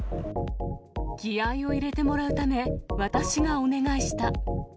気合いを入れてもらうため、私がお願いした。